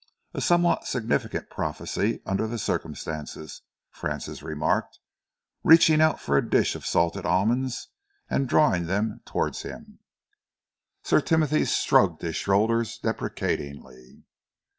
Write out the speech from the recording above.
"A somewhat significant prophecy, under the circumstances," Francis remarked, reaching out for a dish of salted almonds and drawing them towards him. Sir Timothy shrugged his shoulders deprecatingly.